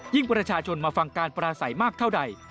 ประชาชนมาฟังการปราศัยมากเท่าใด